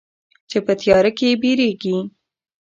چې په تیاره کې بیریږې